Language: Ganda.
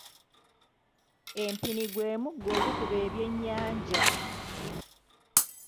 Empini gwe muggo ogukuba ebyennyanja.